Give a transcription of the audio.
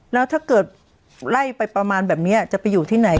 แล้วถ้าเกิดไล่ไปประมาณแบบนี้จะไปอยู่ที่ไหน